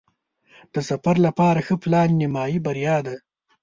د سفر لپاره ښه پلان نیمایي بریا ده.